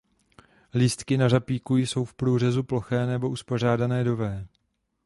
Lístky na řapíku jsou v průřezu ploché nebo uspořádané do „V“.